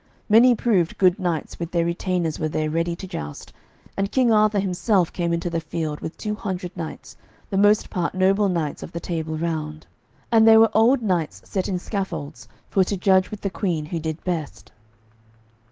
Many proved good knights with their retainers were there ready to joust, and King Arthur himself came into the field with two hundred knights, the most part noble knights of the Table Round. And there were old knights set in scaffolds, for to judge with the Queen who did best.